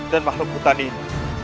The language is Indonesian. dan makhluk hutan ini